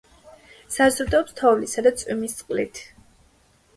საზრდოობს თოვლისა და წვიმის წყლით.